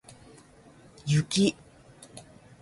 雪